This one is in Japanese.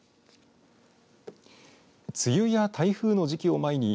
梅雨や台風の時期を前に